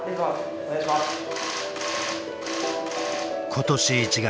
今年１月。